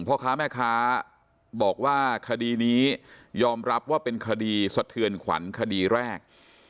พ่อค้าแม่ค้าบอกว่าคดีนี้ยอมรับว่าเป็นคดีสะเทือนขวัญคดีแรก